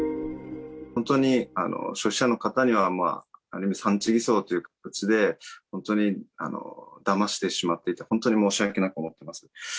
本当に消費者の方にはある意味産地偽装という形で、本当にだましてしまっていて、本当に申し訳なく思ってます。